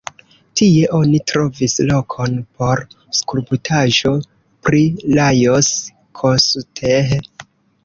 Tie oni trovis lokon por skulptaĵo pri Lajos Kossuth.